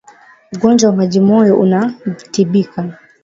Ugonjwa wa majimoyo unatibika